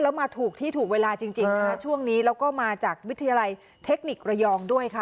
แล้วมาถูกที่ถูกเวลาจริงนะคะช่วงนี้แล้วก็มาจากวิทยาลัยเทคนิคระยองด้วยค่ะ